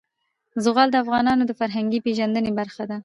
زغال د افغانانو د فرهنګي پیژندنې برخه ده.